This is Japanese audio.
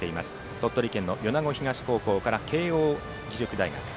鳥取県の米子東高校から慶応義塾大学。